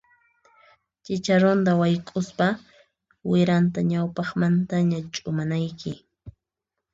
Chicharuta wayk'uspaqa wiranta ñawpaqmantaña ch'umanayki.